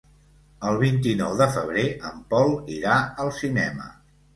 El vint-i-nou de febrer en Pol irà al cinema.